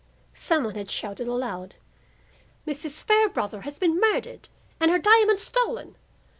Some one had shouted aloud "Mrs. Fairbrother has been murdered and her diamond stolen!